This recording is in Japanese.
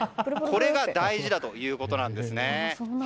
これが大事だということです。